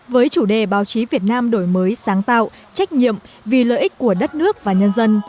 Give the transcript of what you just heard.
với chủ đề báo chí việt nam đổi mới sáng tạo trách nhiệm vì lợi ích của đất nước và nhân dân